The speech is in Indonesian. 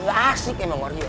nggak asik emang warga